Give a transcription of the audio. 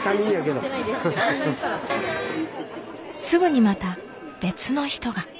すぐにまた別の人が。